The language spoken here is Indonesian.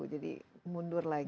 jadi mundur lagi